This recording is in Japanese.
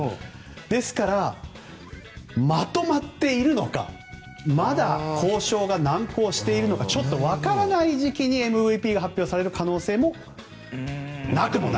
ですから、まとまっているのかまだ交渉が難航しているのかちょっとわからない時期にＭＶＰが発表される可能性もなくもない。